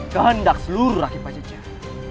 kehendak seluruh rakyat pajajah